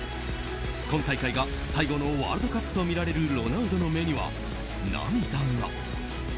今大会が最後のワールドカップとみられるロナウドの目には涙が。